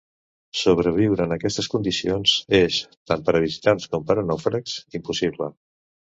Sobreviure en aquestes condicions és, tant per a visitants com per a nàufrags, impossible.